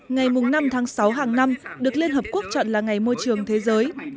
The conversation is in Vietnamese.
ngày năm tháng sáu hàng năm được liên hợp quốc chọn là ngày môi trường thế giới